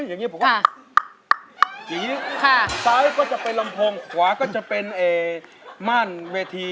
อย่างนี้ผมว่าผีซ้ายก็จะเป็นลำโพงขวาก็จะเป็นม่านเวที